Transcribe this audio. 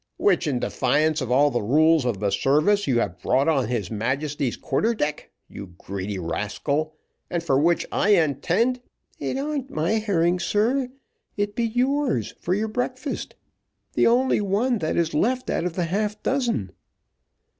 which, in defiance of all the rules of the service, you have brought on his Majesty's quarter deck, you greedy rascal, and for which I intend " "It ar'n't my herring, sir, it be yours for your breakfast the only one that is left out of the half dozen."